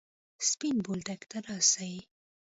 سپين بولدک ته راسئ!